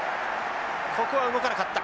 ここは動かなかった。